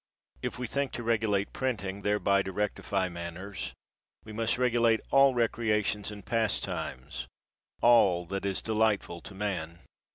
If we think to regulate printing, thereby to rectify manners, we must regulate all recreations and pastimes, all that is delightful to man.